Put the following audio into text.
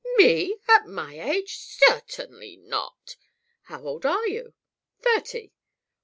"Me? At my age? Cer tain ly not!" "How old are you?" "Thirty."